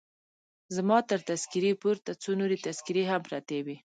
زما تر تذکیرې پورته څو نورې تذکیرې هم پرتې وې.